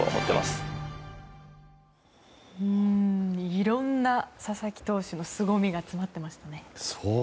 いろんな佐々木投手のすごみが詰まっていましたね。